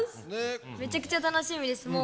めちゃくちゃ楽しみです。